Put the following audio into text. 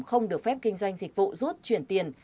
không được phép kinh doanh dịch vụ rút chuyển tiền